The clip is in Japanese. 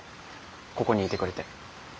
ここにいてくれて。